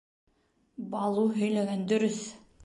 Балу һөйләгән дөрөҫ.